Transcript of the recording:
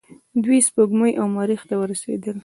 دوی سپوږمۍ او مریخ ته ورسیدل.